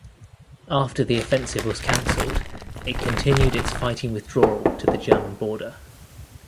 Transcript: After the offensive was cancelled, it continued its fighting withdrawal to the German border.